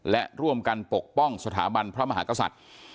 และร่วมกันปกป้องสถาบันพระมหากษัตริย์